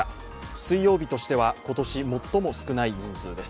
水曜日としては今年最も少ない人数です。